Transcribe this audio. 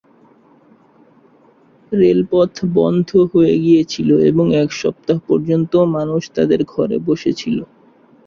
রেলপথ বন্ধ হয়ে গিয়েছিল এবং এক সপ্তাহ পর্যন্ত মানুষ তাদের ঘরে বসে ছিল।